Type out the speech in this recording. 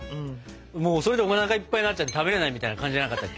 もうそれでおなかいっぱいになっちゃって食べれないみたいな感じじゃなかったっけ。